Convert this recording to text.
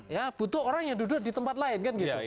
ya butuh orang yang duduk di tempat lain kan gitu